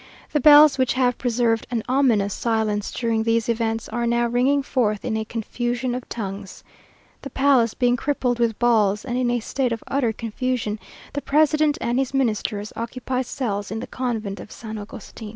The bells, which have preserved an ominous silence during these events, are now ringing forth in a confusion of tongues. The palace being crippled with balls, and in a state of utter confusion, the president and his Ministers occupy cells in the convent of San Agustin.